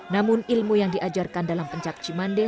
namun ilmu yang diajarkan dalam pencak cimande